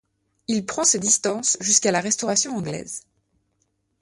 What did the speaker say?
Il prend ses distances jusqu'à la Restauration anglaise.